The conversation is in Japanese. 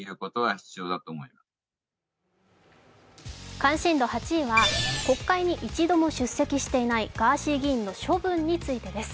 関心度８位は国会に一度も出席していないガーシー議員の処分についてです。